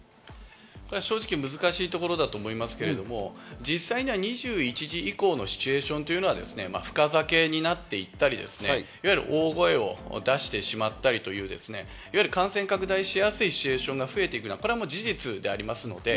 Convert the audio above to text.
正直難しいところだと思いますけど、実際には２１時以降のシチュエーションというのは深酒になっていったり、大声を出してしまったり、感染拡大しやすいシチュエーションが増えていくのは事実です。